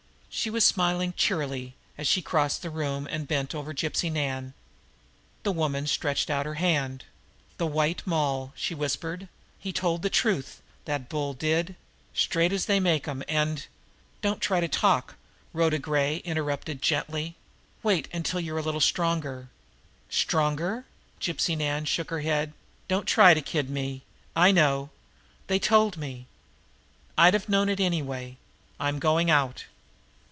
She was smiling cheerily as she crossed the room and bent over Gypsy Nan. The woman stretched out her hand. "The White Moll!" she whispered. "He told the truth, that bull did straight as they make 'em, and " "Don't try to talk," Rhoda Gray interrupted gently. "Wait until you are a little stronger." "Stronger!" Gypsy Nan shook her head. "Don't try to kid me! I know. They told me. I'd have known it anyway. I'm going out."